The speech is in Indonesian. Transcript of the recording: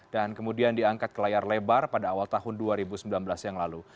dan kemudian diangkat ke layar lebar pada awal tahun dua ribu sembilan belas yang lalu